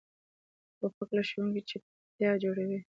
توپک له ښوونځي چپتیا جوړوي.